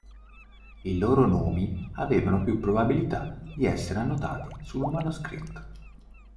I loro nomi avevano più probabilità di essere annotati sul manoscritto.